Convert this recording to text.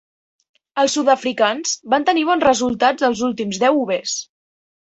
Els sud-africans van tenir bons resultats als últims deu overs.